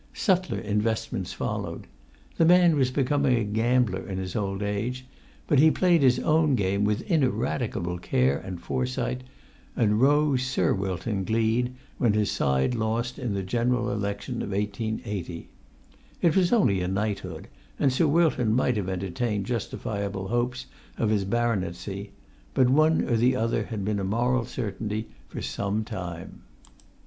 Subtler investments followed. The man was becoming a gambler in his old age; but he played his own game with ineradicable care and foresight, and rose Sir Wilton Gleed when his side lost in the General Election of 1880. It was only a knighthood, and Sir Wilton might have entertained justifiable hopes of his baronetcy; but one or the other had been a moral certainty for some time.